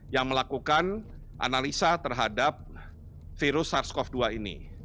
yang melakukan analisa terhadap virus sars cov dua ini